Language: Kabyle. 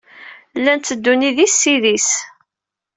Llan tteddun idis s idis.